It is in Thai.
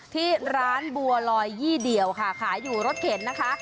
ที่ร้านบัวลอยยี่เดี่ยวค่ะขายอยู่รถเข็นนะคะ